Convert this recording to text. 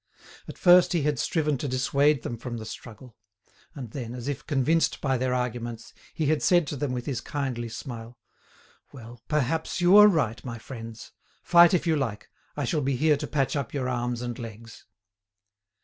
At first he had striven to dissuade them from the struggle; and then, as if convinced by their arguments, he had said to them with his kindly smile: "Well, perhaps you are right, my friends; fight if you like, I shall be here to patch up your arms and legs."